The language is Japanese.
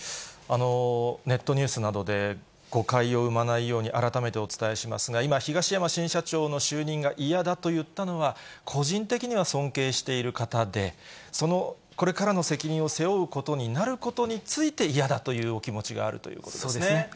ネットニュースなどで誤解を生まないように改めてお伝えしますが、今、東山新社長の就任が嫌だと言ったのは、個人的には尊敬している方で、そのこれからの責任を背負うことになることについて、嫌だというそうですね。